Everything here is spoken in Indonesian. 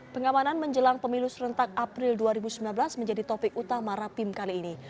pengamanan menjelang pemilu serentak april dua ribu sembilan belas menjadi topik utama rapim kali ini